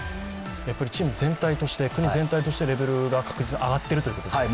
チーム全体として、国全体としてレベルが確実に上がっているということですか？